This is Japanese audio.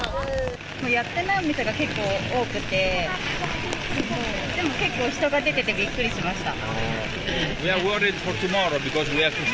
やってないお店が結構多くて、でも結構人が出ててびっくりしました。